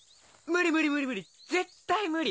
無理無理無理絶対無理！